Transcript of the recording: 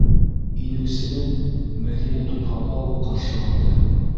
Инеүсене Мәҙинә тупһала уҡ ҡаршы алды: